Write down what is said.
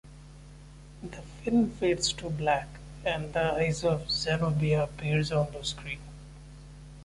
The film fades to black, and the eyes of Zenobia appear on the screen.